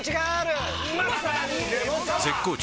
絶好調！！